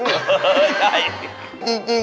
เห็นหน้าในเด็ก